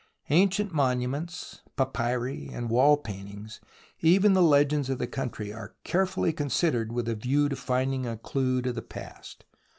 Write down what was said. Ancient monuments, papyri and wall paintings, even the legends of the country, are carefully considered with a view to finding a clue to the past.